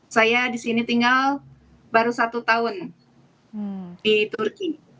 saya di sini tinggal baru satu tahun di turki